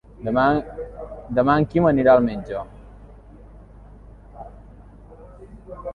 Demà en Quim anirà al metge.